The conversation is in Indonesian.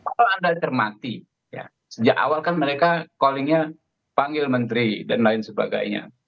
kalau anda cermati sejak awal kan mereka callingnya panggil menteri dan lain sebagainya